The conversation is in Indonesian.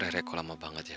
reko lama banget ya